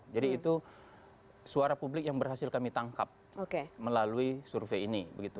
jadi itu suara publik yang berhasil kami tangkap melalui survei ini